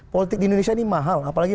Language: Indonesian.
politik di indonesia ini mahal apalagi